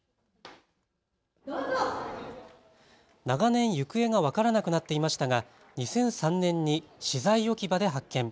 長年、行方が分からなくなっていましたが２００３年に資材置き場で発見。